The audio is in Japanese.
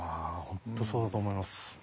本当そうだと思います。